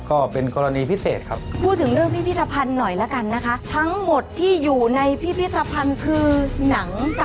ก็เลยสงสัยว่าย่ายขนาดนี้ใช้๒ล่ะ